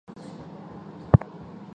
弗代纳人口变化图示